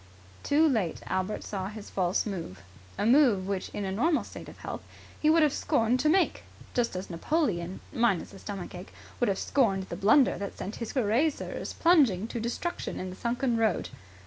Too late Albert saw his false move a move which in a normal state of health, he would have scorned to make. Just as Napoleon, minus a stomach ache, would have scorned the blunder that sent his Cuirassiers plunging to destruction in the sunken road.